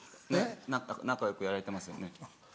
仲良くやれてますよね？